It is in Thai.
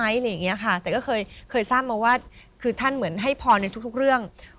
อะไรอย่างเงี้ยค่ะแต่ก็เคยเคยทราบมาว่าคือท่านเหมือนให้พรในทุกทุกเรื่อง